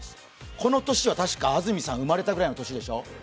この年は確か、安住さん、生まれたくらいの年でしょ。